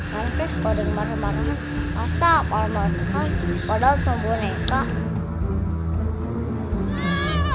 mereka sudah kemarin kemarin masak malam malam padahal sembunyi kak